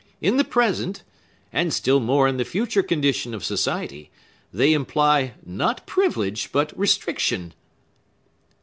In the present—and still more in the future condition of society they imply, not privilege, but restriction!"